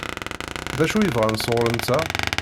D acu i bɣan sɣur-nteɣ?